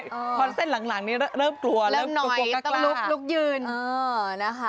เพราะเส้นหลังนี่เริ่มกลัวเริ่มหน่อยต้องลุกยืน